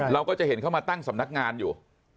เราก็จะเห็นเขามาตั้งสำนักงานอยู่